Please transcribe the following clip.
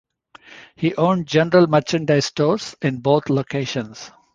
He owned general merchandise stores in both locations.